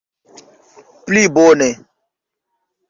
Pli bone?